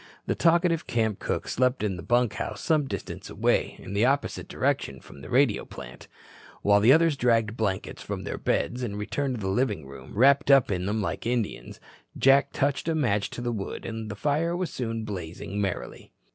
The talkative camp cook slept in the bunkhouse some distance away, in the opposite direction from the radio plant. While the others dragged blankets from their beds and returned to the living room, wrapped up in them like Indians, Jack touched a match to the wood and the fire soon was blazing merrily.